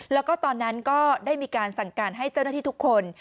แล้วก็ตอนนั้นก็ได้มีการสั่งการให้เจ้าหน้าที่ทุกคน